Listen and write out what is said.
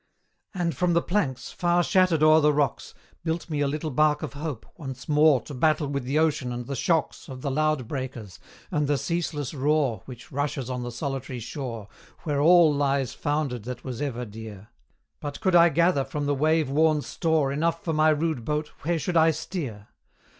And from the planks, far shattered o'er the rocks, Built me a little bark of hope, once more To battle with the ocean and the shocks Of the loud breakers, and the ceaseless roar Which rushes on the solitary shore Where all lies foundered that was ever dear: But could I gather from the wave worn store Enough for my rude boat, where should I steer?